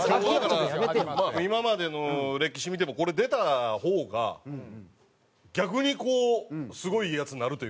今までの歴史見てもこれ出た方が逆にこうすごいヤツになるというかね。